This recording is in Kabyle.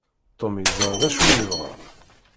Tom yeẓra d acu yebɣa.